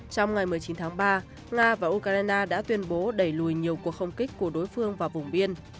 trong ngày một mươi chín tháng ba nga và ukraine đã tuyên bố đẩy lùi nhiều cuộc không kích của đối phương vào vùng biên